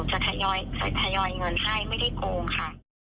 ทยอยเงินให้ไม่ได้โกงค่ะ